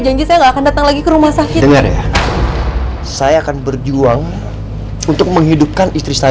janji saya nggak akan datang lagi ke rumah sakit saya akan berjuang untuk menghidupkan istri saya